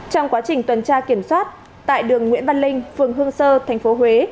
trong quá trình tuần tra kiểm soát tại đường nguyễn văn linh phường hương sơ tp huế